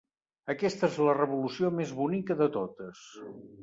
Aquesta és la revolució més bonica de totes.